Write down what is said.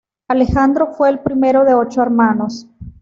Alejandro fue el primero de ocho hermanos.